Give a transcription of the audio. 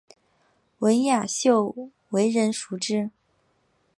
文秀雅为人熟知。